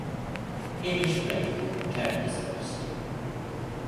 Hamish Blake will return as host.